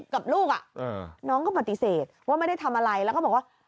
กับลูกน้องก็ปฏิเสธว่าไม่ได้ทำอะไรแล้วก็บอกว่า